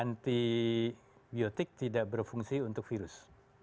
anti biotik tidak berfungsi untuk virus